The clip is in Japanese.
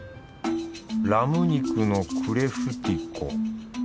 ラム肉のクレフティコ。